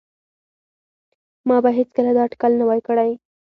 ما به هیڅکله دا اټکل نه وای کړی